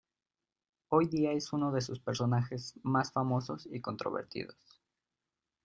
Hoy día es uno de sus personajes más famosos y controvertidos.